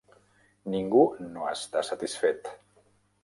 Ningú no està satisfet.